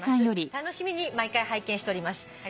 楽しみに毎回拝見しております」